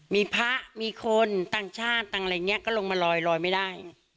มีพระมีคนต่างชาติต่างอะไรอย่างนี้ก็ลงมาลอยไม่ได้